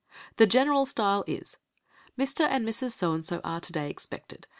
The general style is, "Mr. and Mrs. So and So are to day expected.